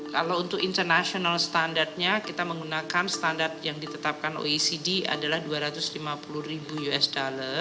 kalau untuk international standardnya kita menggunakan standar yang ditetapkan oecd adalah dua ratus lima puluh ribu usd